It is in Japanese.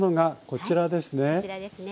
こちらですね。